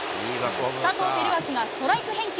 佐藤輝明がストライク返球。